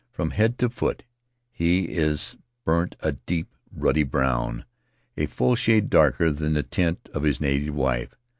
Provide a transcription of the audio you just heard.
From head to foot he is burnt a deep, ruddy brown — a full shade darker than the tint of his native wife.